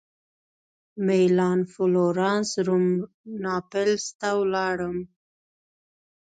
مېلان فلورانس روم ناپلز ته ولاړم.